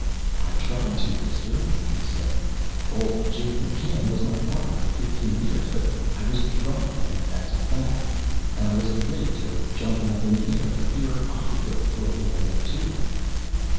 "I tried to, Mister," he said. "Old Jafe McCann was my partner for fifteen years. But I was drunk, and that's a fact. And I was afraid to go jumping up in the air, for fear I'd go floating away, too."